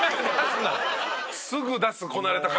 すぐ出すこなれた感じ。